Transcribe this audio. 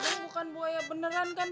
lu bukan buaya beneran kan bang